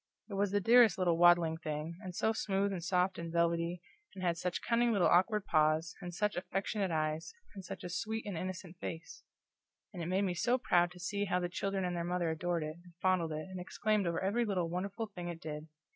It was the dearest little waddling thing, and so smooth and soft and velvety, and had such cunning little awkward paws, and such affectionate eyes, and such a sweet and innocent face; and it made me so proud to see how the children and their mother adored it, and fondled it, and exclaimed over every little wonderful thing it did.